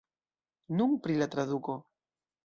Nun pri la traduko.